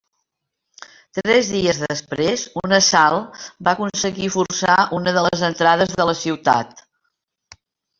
Tres dies després, un assalt va aconseguir forçar una de les entrades de la ciutat.